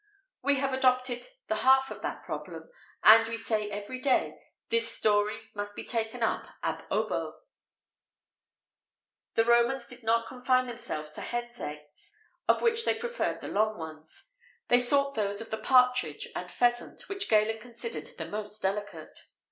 [XVIII 74] We have adopted the half of that proverb, and we say every day, this story must be taken up ab ovo. The Romans did not confine themselves to hens' eggs, of which they preferred the long ones;[XVIII 75] they sought those of the partridge and pheasant, which Galen considered the most delicate.